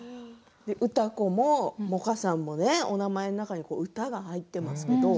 歌子も萌歌さんもお名前の中に歌が入っていますね。